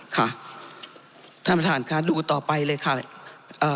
ค่ะท่านประธานค่ะดูต่อไปเลยค่ะเอ่อ